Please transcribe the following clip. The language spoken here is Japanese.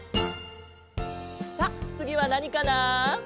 さあつぎはなにかな？